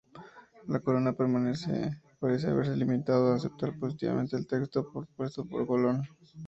La Corona parece haberse limitado a aceptar pasivamente el texto propuesto por Colón.